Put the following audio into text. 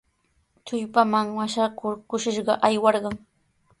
Tullpanman mashakuq kushishqa aywarqan.